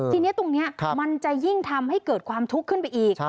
ทีนี้ตรงนี้มันจะยิ่งทำให้เกิดความทุกข์ขึ้นไปอีก